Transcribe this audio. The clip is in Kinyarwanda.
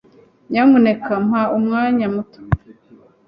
Nyamuneka mpa umwanya muto.